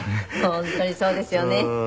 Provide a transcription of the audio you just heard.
本当にそうですよね。